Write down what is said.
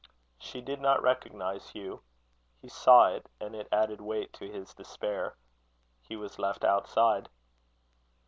She did not recognize Hugh. He saw it, and it added weight to his despair. He was left outside.